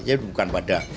jadi bukan pada